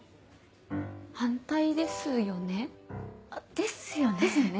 反対ですよね？ですよね。